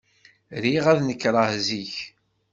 Riɣ ad nekreɣ zik.